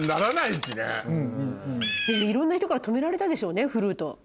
でもいろんな人から止められたでしょうね。